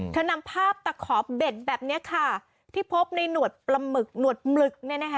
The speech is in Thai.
นำภาพตะขอบเบ็ดแบบนี้ค่ะที่พบในหนวดปลาหมึกหนวดหมึกเนี่ยนะคะ